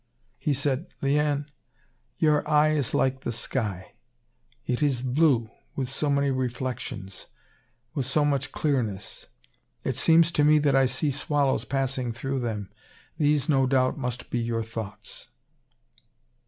He said: "Liane, your eye is like the sky. It is blue, with so many reflections, with so much clearness. It seems to me that I see swallows passing through them these, no doubt, must be your thoughts."